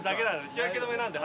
日焼け止めなんで。